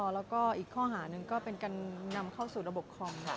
แล้วก็อีกข้อหาหนึ่งก็เป็นการนำเข้าสู่ระบบคอมค่ะ